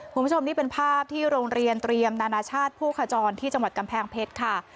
คุณผู้ชมนี่เป็นภาพที่โรงเรียนเตรียมนานาชาติผู้ขจรที่จังหวัดกำแพงเพชรค่ะ